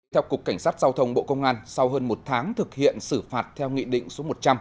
theo cục cảnh sát giao thông bộ công an sau hơn một tháng thực hiện xử phạt theo nghị định số một trăm linh